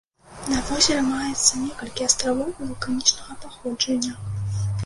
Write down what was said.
На возеры маецца некалькі астравоў вулканічнага паходжання.